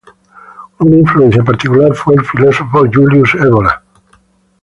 Una influencia particular fue el filósofo Julius Evola.